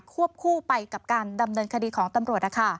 วบคู่ไปกับการดำเนินคดีของตำรวจ